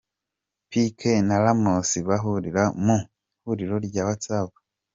Pique na Ramos bahurira mu ihuriro rya WhatsApp.